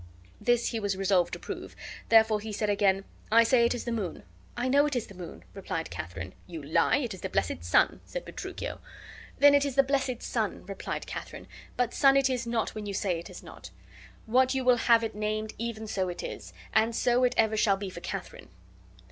This he was resolved to prove, therefore he said again, "I say it is the moon." "I know it is the moon," replied Katharine. "You lie. It is the blessed sun," said Petruchio. "Then it is the blessed sun," replied Katharine; "but sun it is not when you say it is not. What you will have it named, even so it is, and so it ever shall be for Katharine."